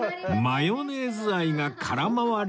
マヨネーズ愛が空回り